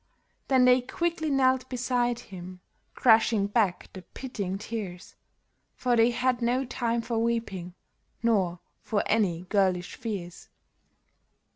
Then they quickly knelt beside him, crushing back the pitying tears, For they had no time for weeping, nor for any girlish fears.